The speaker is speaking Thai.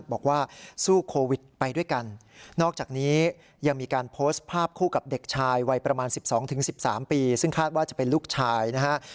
บอกว่าสู้โควิดไปด้วยกันนอกจากนี้ยังมีการโพสต์ภาพคู่กับเด็กชายวัยประมาณ๑๒๑๓ปีซึ่งคาดว่าจะเป็นลูกชายนะฮะ